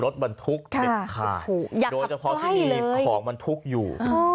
รถบรรทุกเด็ดขาดโดยเฉพาะที่มีของบรรทุกอยู่